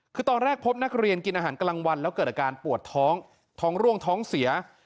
คือตอนแรกพบนักเรียนกินอาหารกลางวันแล้วเกิดอาการปวดท้องท้องร่วงท้องเสีย